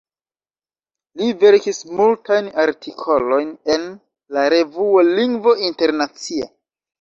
Li verkis multajn artikolojn en la revuo "Lingvo Internacia".